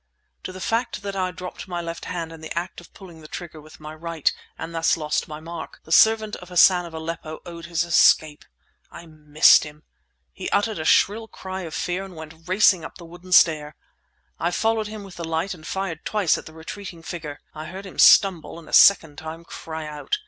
To the fact that I dropped my left hand in the act of pulling the trigger with my right, and thus lost my mark, the servant of Hassan of Aleppo owed his escape. I missed him. He uttered a shrill cry of fear and went racing up the wooden stair. I followed him with the light and fired twice at the retreating figure. I heard him stumble and a second time cry out.